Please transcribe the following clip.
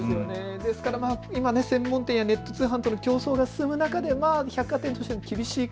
ですから今、専門店やネット通販などの競争が進む中で百貨店、厳しい。